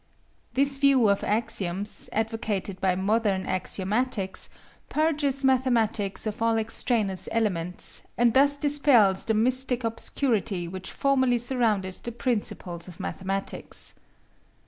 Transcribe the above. This view of axioms, advocated by modern axiomatics, purges mathematics of all extraneous elements, and thus dispels the mystic obscurity which formerly surrounded the principles of mathematics.